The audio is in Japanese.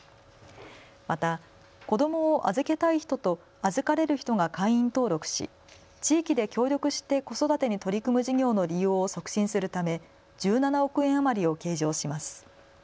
また子どもを預けたい人と預かれる人が会員登録し地域で協力して子育てに取り組む事業の利用を促進するため１７億円余りを計上します。